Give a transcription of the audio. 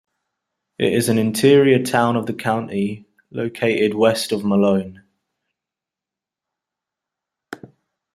It is an interior town of the county, located west of Malone.